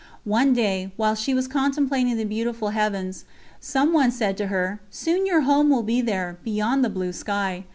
One day, while she was contemplating the beautiful heavens, some one said to her: "soon your home will be there, beyond the blue sky.